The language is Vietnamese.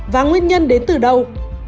và nguyên nhân đến từ đâu